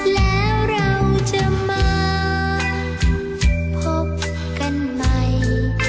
แล้วเราจะมาพบกันใหม่